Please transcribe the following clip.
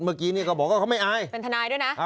เมื่อกี้นี่ก็บอกว่าเขาไม่อายเป็นทนายด้วยนะ